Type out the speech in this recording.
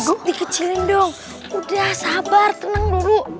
gue dikecilin dong udah sabar tenang dulu